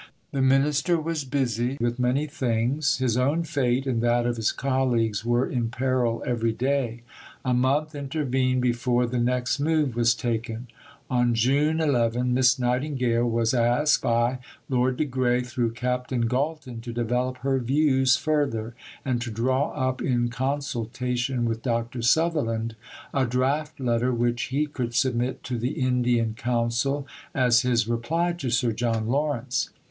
The Minister was busy with many things. His own fate and that of his colleagues were in peril every day. A month intervened before the next move was taken. On June 11 Miss Nightingale was asked by Lord de Grey, through Captain Galton, to develop her views further and to draw up, in consultation with Dr. Sutherland, "a draft letter which he could submit to the Indian Council as his reply to Sir John Lawrence."